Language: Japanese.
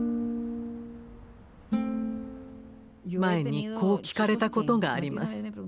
前にこう聞かれたことがあります。